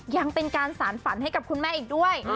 ยังเป็นการสารฝันให้กับคุณแม่อีกด้วย